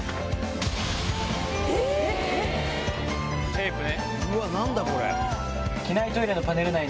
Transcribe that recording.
テープね。